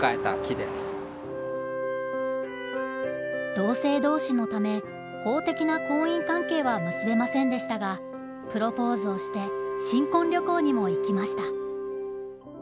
同性同士のため法的な婚姻関係は結べませんでしたがプロポーズをして新婚旅行にも行きました。